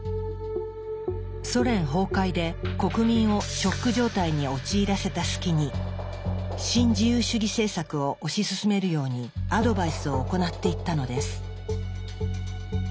ソ連崩壊で国民をショック状態に陥らせた隙に新自由主義政策を推し進めるようにアドバイスを行っていったのです。